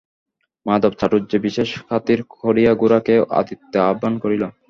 মাধব চাটুজ্জে বিশেষ খাতির করিয়া গোরাকে আতিথ্যে আহ্বান করিল।